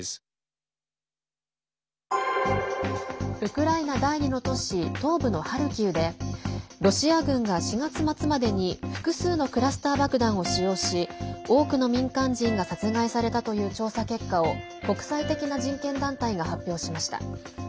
ウクライナ第２の都市東部のハルキウでロシア軍が４月末までに複数のクラスター爆弾を使用し多くの民間人が殺害されたという調査結果を国際的な人権団体が発表しました。